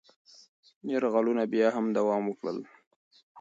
یرغلونه بیا هم دوام وکړل.